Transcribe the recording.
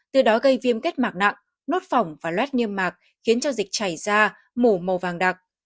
từ đó gây viêm kết mạc nặng nốt phỏng và loát niêm mạc khiến cho dịch chảy ra mổ màu vàng đặc